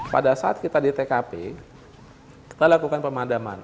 pada saat kita di tkp kita lakukan pemadaman